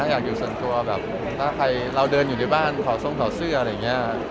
อยากอยู่ส่วนตัวแบบถ้าใครเราเดินอยู่ในบ้านถอดทรงถอดเสื้ออะไรอย่างนี้